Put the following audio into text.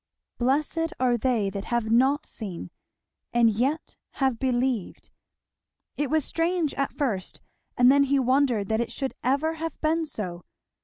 "Blessed are they that have not seen, and yet have believed." It was strange at first, and then he wondered that it should ever have been so.